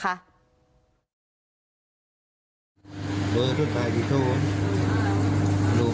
นี่ค่ะถือให้การแบบนี้บอกไม่รู้เลยตรงนั้นไม่ได้มีสิ่งของอะไรผิดกฎมากไม่รู้เลย